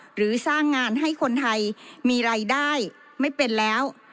หรือสร้างงานให้คนไทยมีรายได้ไม่เป็นแล้ว